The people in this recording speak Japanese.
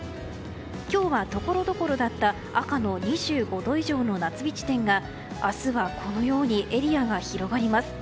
今日はところどころだった赤の２５度以上の夏日地点が明日はエリアが広がります。